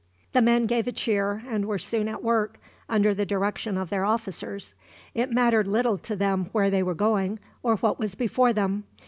The men gave a cheer, and were soon at work, under the direction of their officers. It mattered little to them where they were going, or what was before them.